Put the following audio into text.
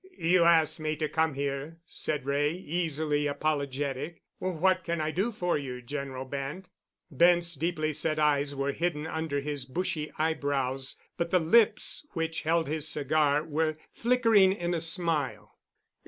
"You asked me to come here," said Wray, easily apologetic. "What can I do for you, General Bent?" Bent's deeply set eyes were hidden under his bushy eyebrows, but the lips which held his cigar were flickering in a smile.